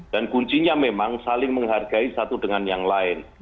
dan kuncinya memang saling menghargai satu dengan yang lain